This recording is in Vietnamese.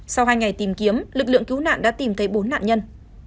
sau hai ngày tìm kiếm lực lượng cứu nạn đã tìm thấy bốn nạn nhân